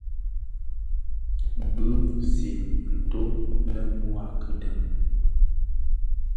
Bizim nto le mua a kiden.